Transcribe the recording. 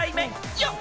よっ！